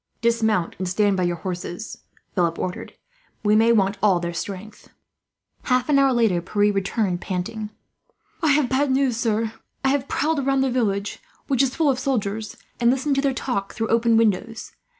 "Dismount and stand by your horses," Philip ordered. "We may want all their strength." Half an hour later Pierre returned, panting. "I have bad news, sir. I have prowled about the village, which is full of soldiers, and listened to their talk through open windows.